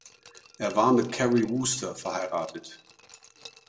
Er war mit Carrie Wooster verheiratet.